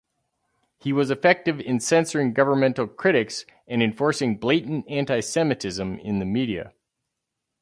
He was effective in censoring governmental critics and enforcing blatant Anti-Semitism in the media.